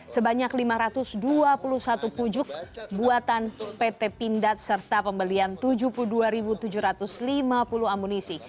sebanyak lima ratus dua puluh satu pujuk buatan pt pindad serta pembelian tujuh puluh dua tujuh ratus lima puluh amunisi